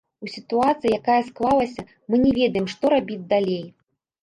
У сітуацыі, якая склалася, мы не ведаем, што рабіць далей.